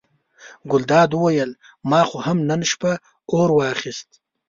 ګلداد وویل ما خو هم نن شپه اور واخیست.